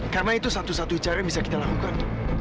karena itu satu satu caranya bisa kita lakukan